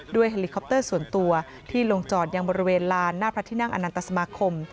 เฮลิคอปเตอร์ส่วนตัวที่ลงจอดยังบริเวณลานหน้าพระที่นั่งอนันตสมาคม